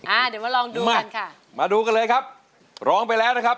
อ่าเดี๋ยวมาลองดูกันค่ะมาดูกันเลยครับร้องไปแล้วนะครับ